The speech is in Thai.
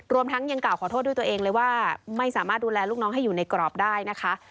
ทั้งยังกล่าวขอโทษด้วยตัวเองเลยว่าไม่สามารถดูแลลูกน้องให้อยู่ในกรอบได้นะคะ